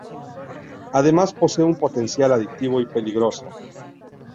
Además, posee un potencial adictivo y peligroso.